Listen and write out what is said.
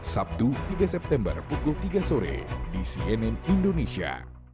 sabtu tiga september pukul tiga sore di cnn indonesia